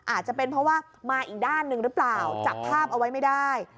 อาจจะเป็นเพราะว่ามาอีกด้านหนึ่งหรือเปล่าจับภาพเอาไว้ไม่ได้